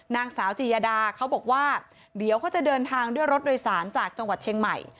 นางสาวจียดาเขาบอกว่าเดี๋ยวเขาจะเดินทางด้วยรถโดยสารจากจังหวัดเชียงใหม่